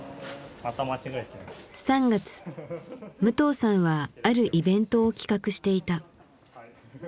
３月武藤さんはあるイベントを企画していた。